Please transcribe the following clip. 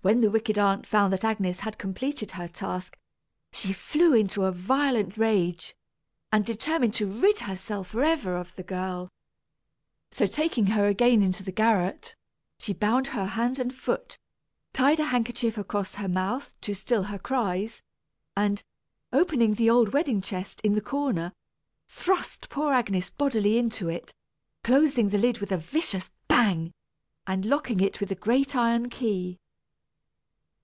When the wicked aunt found that Agnes had completed her task, she flew into a violent rage, and determined to rid herself forever of the girl. So, taking her again into the garret, she bound her hand and foot, tied a handkerchief across her mouth to still her cries, and, opening the old wedding chest in the corner, thrust poor Agnes bodily into it, closing the lid with a vicious bang, and locking it with the great iron key.